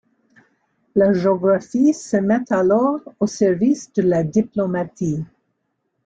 La géographie se met alors au service de la diplomatie.